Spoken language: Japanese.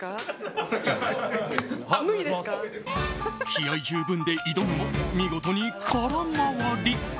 気合十分で挑むも見事に空回り。